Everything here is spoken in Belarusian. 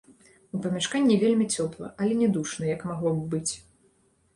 У памяшканні вельмі цёпла, але не душна, як магло б быць.